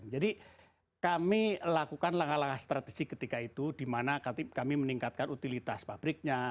jadi kami lakukan langkah langkah strategi ketika itu di mana kami meningkatkan utilitas pabriknya